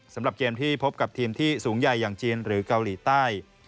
สำหรับเกมที่พบกับทีมที่สูงใหญ่อย่างจีนหรือเกาหลีใต้